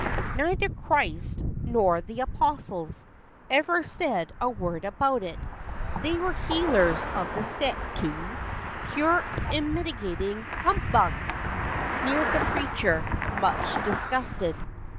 Neither Christ nor the apostles Ever said a word about it; They were healers of the sick, too. Pure, unmitigated humbug! " Sneered the preacher, much disgusted.